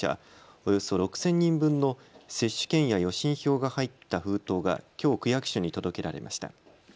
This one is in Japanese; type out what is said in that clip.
およそ６０００人分の接種券や予診票が入った封筒がきょう区役所に届けられました。